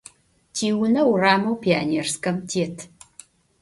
Tiune vurameu Pionêrskem têt.